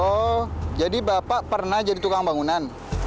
oh jadi bapak pernah jadi tukang bangunan